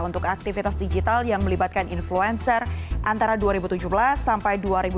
untuk aktivitas digital yang melibatkan influencer antara dua ribu tujuh belas sampai dua ribu dua puluh